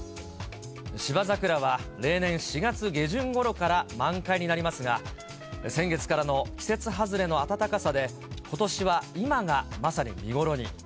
芝桜は例年、４月下旬ごろから満開になりますが、先月からの季節外れの暖かさで、ことしは今がまさに見頃に。